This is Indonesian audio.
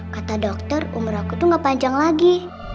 kata dokter umur aku tuh gak panjang lagi